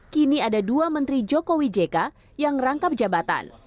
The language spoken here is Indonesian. kini ada dua menteri joko widjeka yang rangkap jabatan